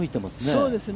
そうですね。